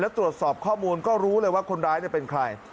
และตรวจสอบข้อมูลก็รู้เลยว่าคนร้ายเป็นใคร